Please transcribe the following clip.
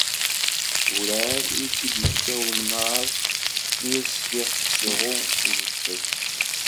Urɛad i tt-id-ifka umnaṛ mi as-sliɣ tettsuɣu, tjeffel.